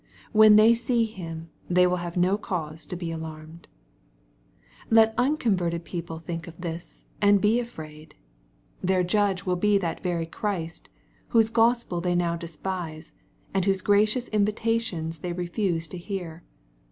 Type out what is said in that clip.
When they see Him, they will have no cause to be alarmed. Let unconverted people think of this, and be afraid. Their judge will be that very Christ, whose Gospel they now despise, and whose gracious invitations they refuse to hear.